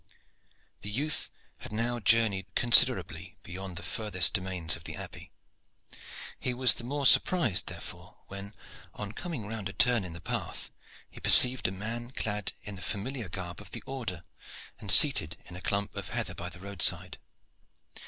The youth had now journeyed considerably beyond the furthest domains of the Abbey. He was the more surprised therefore when, on coming round a turn in the path, he perceived a man clad in the familiar garb of the order, and seated in a clump of heather by the roadside.